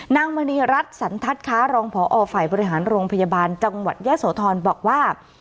มณีรัฐสันทัศน์ค้ารองพอฝ่ายบริหารโรงพยาบาลจังหวัดยะโสธรบอกว่า